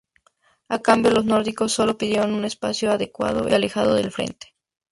A cambio, los nórdicos sólo pidieron un espacio adecuado y alejado del frente.